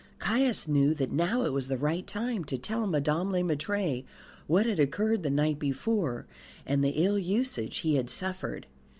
Caius knew that now it was the right time to tell Madame Le Maître what had occurred the night before, and the ill usage he had suffered.